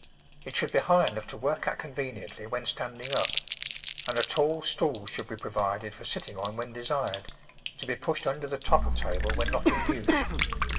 It should be high enough to work at conveniently when Digitized by Google 40 The Flower Garden standing up, and a tall stool should be provided for sitting on when desired, to be pushed under the top of table when not in use.